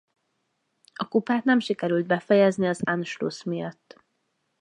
A kupát nem sikerült befejezni az Anschluss miatt.